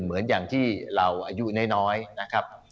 เหมือนอย่างที่เราอายุน้อยนะครับ